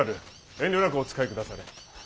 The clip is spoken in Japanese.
遠慮なくお使いくだされ。